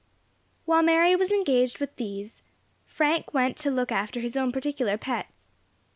While Mary was engaged with these, Frank went to look after his own particular pets.